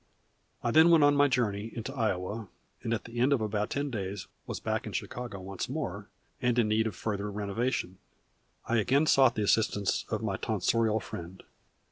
I then went on my journey into Iowa, and at the end of about ten days was back in Chicago once more, and in need of further renovation I again sought the assistance of my tonsorial friend.